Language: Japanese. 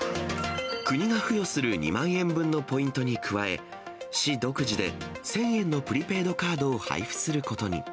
国が付与する２万円分のポイントに加え、市独自で１０００円のプリペイドカードを配布することに。